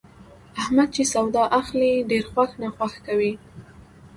احمد چې سودا اخلي، ډېر خوښ ناخوښ کوي.